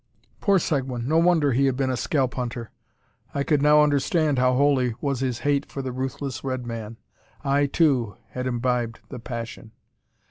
Poor Seguin! No wonder he had been a scalp hunter. I could now understand how holy was his hate for the ruthless red man. I, too, had imbibed the passion.